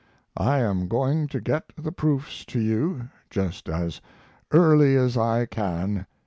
I am going to get the proofs to you just as early as I can.